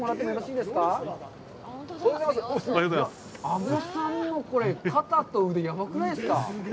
阿保さんの、これ、肩と腕、やばくないですか。